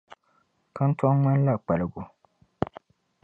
Kantɔŋ ŋmani la kpaligu.